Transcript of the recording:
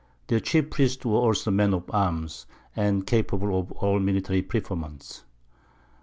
Their Chief Priests were also Men of Arms, and capable of all Military Preferments.